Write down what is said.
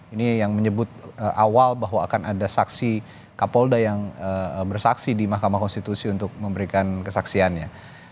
ini yang menyebut awal bahwa akan ada saksi kapolda yang bersaksi di mahkamah konstitusi untuk memberikan kesaksiannya